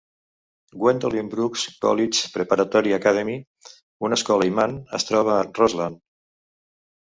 Gwendolyn Brooks College Preparatory Academy, una escola imant, es troba a Roseland.